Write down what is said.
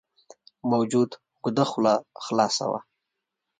موجود اوږده خوله خلاصه وه.